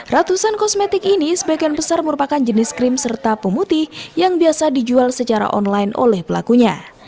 ratusan kosmetik ini sebagian besar merupakan jenis krim serta pemutih yang biasa dijual secara online oleh pelakunya